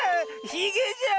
ひげじゃ！